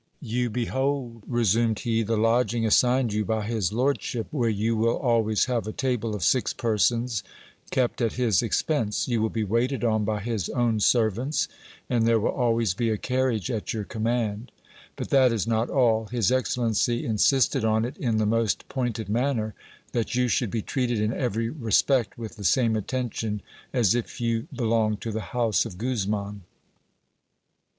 You behold, resumed he, the lodging assigned you by his lordship, where you will always have a table of six persons, kept at his expense. You will be waited on by his own servants ; and there will always be a carriage at your command. But that is not all : his excellency insisted on it iri the most pointed manner, tiat you should be treated in every respect with the same attention as if you belonged to the house of Guzman.